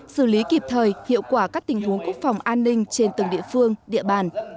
xử lý kịp thời hiệu quả các tình huống quốc phòng an ninh trên từng địa phương địa bàn